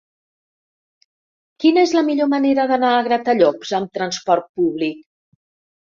Quina és la millor manera d'anar a Gratallops amb trasport públic?